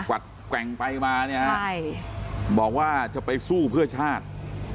วัดแกว่งไปมาเนี่ยบอกว่าจะไปสู้เพื่อชาติ